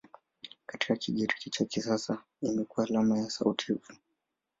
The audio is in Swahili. Katika Kigiriki cha kisasa imekuwa alama ya sauti "V".